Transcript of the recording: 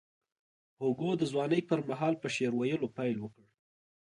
هوګو د ځوانۍ پر مهال په شعر ویلو پیل وکړ.